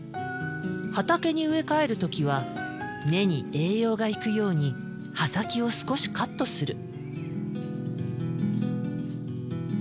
畑に植え替える時は根に栄養が行くように葉先を少しカットする。